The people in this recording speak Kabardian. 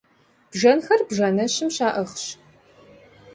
Бжэнхэр бжэнэщым щаӏыгъщ.